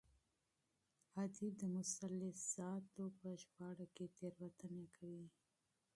ادیب د مثلثاتو په ژباړه کې تېروتنې کوي.